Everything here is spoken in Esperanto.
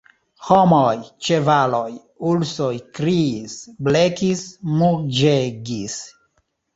Homoj, ĉevaloj, ursoj kriis, blekis, muĝegis.